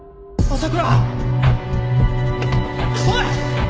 おい！